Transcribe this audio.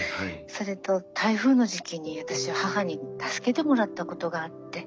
それと台風の時期に私は母に助けてもらったことがあって。